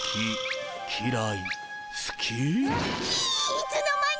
いつの間に！